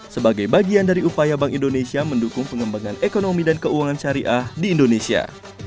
sebagai bagian dari upaya bank indonesia mendukung pengembangan ekonomi dan keuangan syariah di indonesia